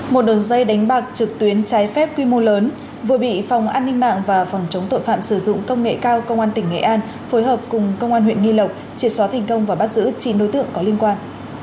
một đường dây đánh bạc trực tuyến trái phép quy mô lớn vừa bị phòng an ninh mạng và phòng chống tội phạm sử dụng công nghệ cao công an tỉnh nghệ an phối hợp cùng công an huyện nghi lộc triệt xóa thành công và bắt giữ chín đối tượng có liên quan